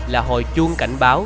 là hồi chuông cảnh báo